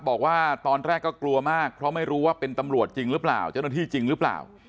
บอกว่าตอนแรกก็กลัวมากเพราะไม่รู้ว่าเป็นตำรวจจริงหรือเปล่าเจ้าหน้าที่จริงหรือเปล่า